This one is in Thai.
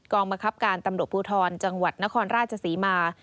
บังคับการตำรวจภูทรจังหวัดนครราชศรีมา